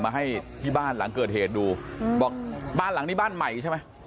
มาให้ที่บ้านหลังเกิดเหตุดูบอกบ้านหลังนี้บ้านใหม่ใช่ไหม